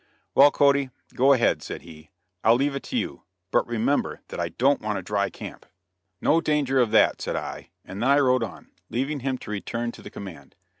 "Well, Cody, go ahead," said he, "I'll leave it to you, but remember that I don't want a dry camp." "No danger of that," said I, and then I rode on, leaving him to return to the command.